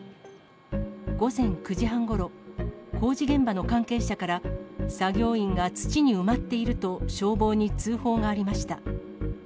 午前９時半ごろ、工事現場の関係者から、作業員が土に埋まっていると、消防に通報がありました。